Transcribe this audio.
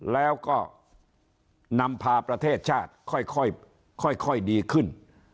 แล้วก็นำพาประเทศชาติค่อยดีขึ้น